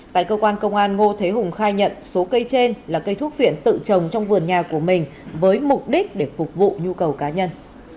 tại cơ quan công an ngô thế hùng khai nhận số cây trên là cây thuốc viện tự trồng trong vườn nhà của mình với mục đích để phục vụ nhu cầu cá nhân